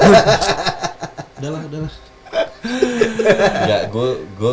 udah lah udah lah